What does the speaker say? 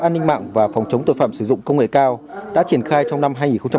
an ninh mạng và phòng chống tội phạm sử dụng công nghệ cao đã triển khai trong năm hai nghìn hai mươi ba